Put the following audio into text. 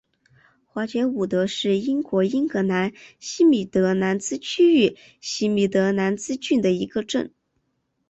华捷伍德是英国英格兰西米德兰兹区域西米德兰兹郡的一个镇。